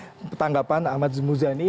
terkait dengan petanggapan ahmad zulmuzani